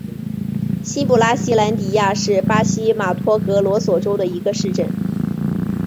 新布拉西兰迪亚是巴西马托格罗索州的一个市镇。